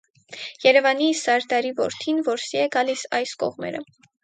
Երևանի սարդարի որդին որսի է գալիս այս կողմերը։